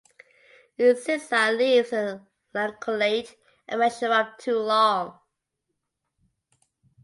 Its sessile leaves are lanceolate and measure up to long.